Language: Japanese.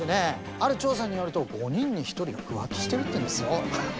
ある調査によると５人に１人は浮気してるっていうんですよ。